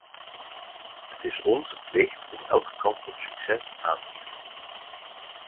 Het is onze plicht om elke kans op succes aan te grijpen.